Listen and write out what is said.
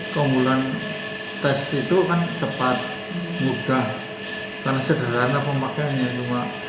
kemuliaan tes itu kan cepat mudah karena sederhana pemakaiannya